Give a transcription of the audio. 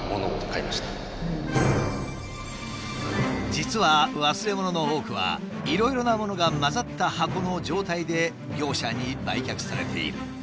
実は忘れ物の多くはいろいろなものが交ざった箱の状態で業者に売却されている。